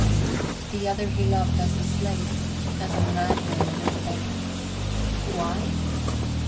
The other he loved as a slave, as a madman and a beggar. Why?